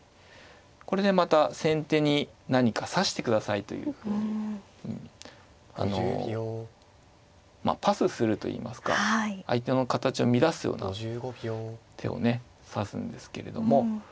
これでまた先手に何か指してくださいというふうにまあパスするといいますか相手の形を乱すような手をね指すんですけれども。